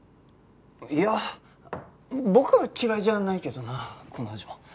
いや僕は嫌いじゃないけどなこの味も。